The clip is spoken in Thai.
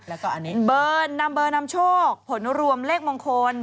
แล้วก็อันนี้เบิร์นนำเบอร์นำโชคผลรวมเลขมงคล